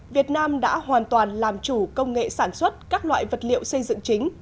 việt nam đã hoàn toàn làm chủ công nghệ sản xuất các loại vật liệu xây dựng chính